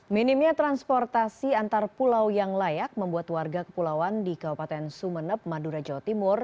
minimnya transportasi antar pulau yang layak membuat warga kepulauan di kabupaten sumeneb madura jawa timur